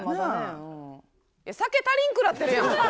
酒足りんくなってるやん。